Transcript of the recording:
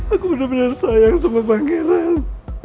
aku bener bener sayang sama pangeran